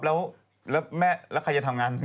แล้วแม่แล้วใครจะทำงาน